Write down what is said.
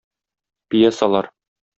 пьесалар.